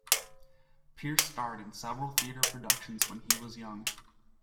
Pearce starred in several theatre productions when he was young.